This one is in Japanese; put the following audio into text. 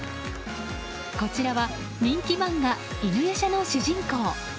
こちらは人気漫画「犬夜叉」の主人公。